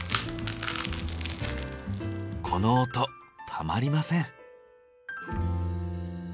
この音たまりません。